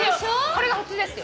これが普通ですよ。